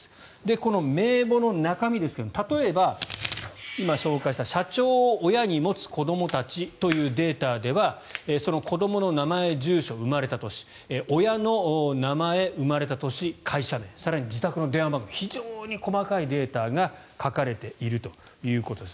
この名簿の中身ですが例えば、今、紹介した社長を親に持つ子どもたちというデータでは子どもの名前、住所、生まれた年親の名前、生まれた年、会社名更に自宅の電話番号非常に細かいデータが書かれているということです。